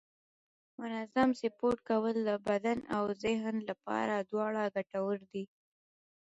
منظم سپورت کول د بدن او ذهن لپاره دواړه ګټور دي